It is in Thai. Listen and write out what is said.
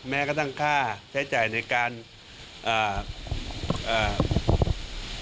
แม้กระทั่งค่าใช้จ่ายในการอ่าเอ่อ